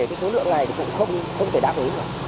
cái số lượng này cũng không thể đáp ứng